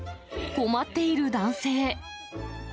困っている男性。